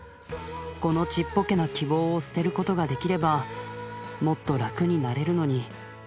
このちっぽけな希望を捨てることができればもっと楽になれるのに。